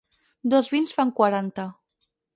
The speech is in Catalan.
Dos vins fan quaranta.